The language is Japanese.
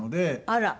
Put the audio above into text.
あら。